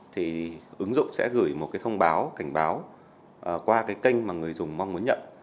thì ứng dụng sẽ gửi một thông báo cảnh báo qua kênh mà người dùng mong muốn nhận